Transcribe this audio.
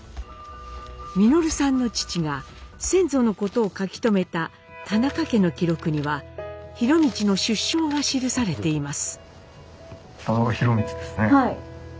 稔さんの父が先祖のことを書き留めた「田中家の記録」には博通の出生が記されています。